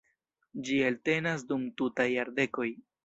Ĝi eltenas dum tutaj jardekoj.